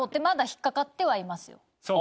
まだ引っ掛かってはいますよ。